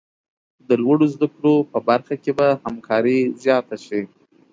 د لوړو زده کړو په برخه کې به همکاري زیاته شي.